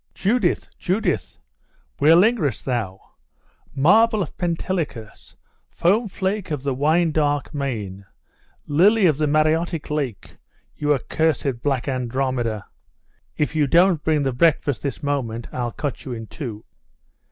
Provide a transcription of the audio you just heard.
'Judith! Judith! where lingerest thou? Marble of Pentelicus! foam flake of the wine dark main! lily of the Mareotic lake! You accursed black Andromeda, if you don't bring the breakfast this moment, I'll cut you in two!